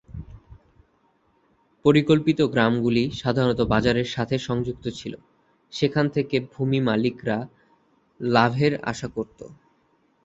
পরিকল্পিত গ্রামগুলি সাধারণত বাজারের সাথে সংযুক্ত ছিল, সেখান থেকে ভূমি মালিকরা লাভের আশা করতো।